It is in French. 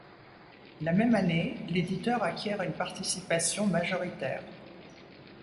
La même année, l'éditeur acquiert une participation majoritaire.